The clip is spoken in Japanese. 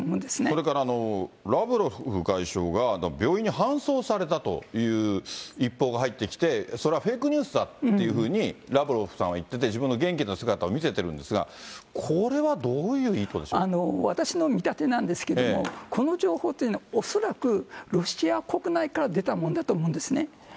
それからラブロフ外相が、病院に搬送されたという一報が入ってきて、それはフェイクニュースだっていうふうにラブロフさんは言ってて、自分の元気な姿を見せてるんですが、私の見立てなんですけれども、この情報というのは、恐らく、ロシア国内から出たものだと思うんですね。